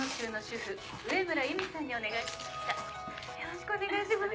よろしくお願いします。